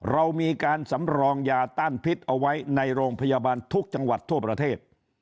เรามีการสำรองยาต้านพิษเอาไว้ในโรงพยาบาลทุกจังหวัดทั่วประเทศ